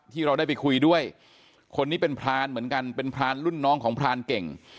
ที่เราได้ไปคุยด้วยคนนี้เป็นพรานเหมือนกันเป็นพรานรุ่นน้องของพรานเก่ง